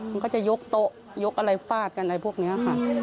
มันก็จะยกโต๊ะยกอะไรฟาดกันอะไรพวกนี้ค่ะ